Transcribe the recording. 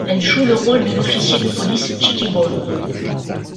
Elle joue le rôle de l'officier de police Chickie Brown.